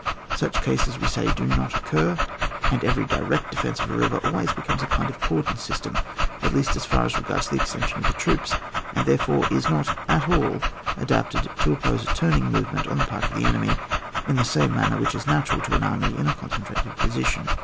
Such cases, we say, do not occur, and every direct defence of a river always becomes a kind of cordon system, at least as far as regards the extension of the troops, and therefore is not at all adapted to op pose a turning movement on the part of the enemy in the same manner which is natural to an army in a concentrated position.